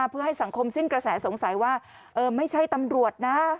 เพื่อให้สังคมสิ้นกระแสสงสัยว่าไม่ใช่ตำรวจนะ